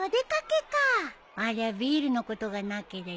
ありゃビールのことがなけりゃ